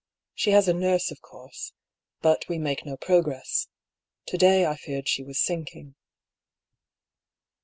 She has a nurse, of course. But we make no progress. To day I feared she was sinking."